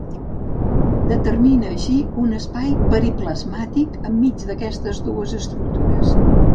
Determina així un espai periplasmàtic enmig d’aquestes dues estructures.